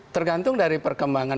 tergantung dari perkembangan